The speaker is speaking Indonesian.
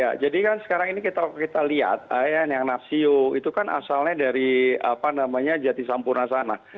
ya jadi kan sekarang ini kita lihat yang nasio itu kan asalnya dari apa namanya jati sampurna sana